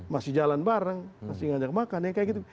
masih jalan bareng masih ngajak makan